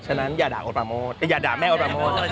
ฉะนั้นอย่าด่าแม่โอ๊ตประโมท